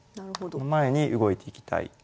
その前に動いていきたい。